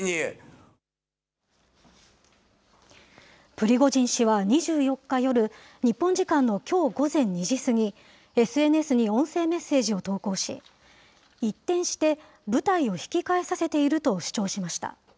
プリゴジン氏は２４日夜、日本時間のきょう午前２時過ぎ、ＳＮＳに音声メッセージを投稿し、一転して部隊を引き返させていると主張しました。